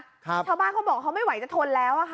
ชาวบ้านเขาบอกเขาไม่ไหวจะทนแล้วอ่ะค่ะ